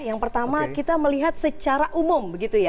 yang pertama kita melihat secara umum